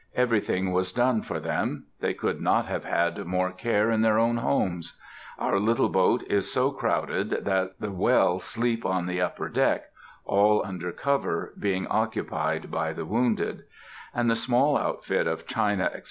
Everything was done for them; they could not have had more care in their own homes. Our little boat is so crowded that the well sleep on the upper deck, all under cover being occupied by the wounded; and, the small outfit of china, etc.